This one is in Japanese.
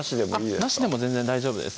なしでも全然大丈夫です